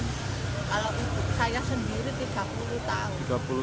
kalau untuk saya sendiri tiga puluh tahun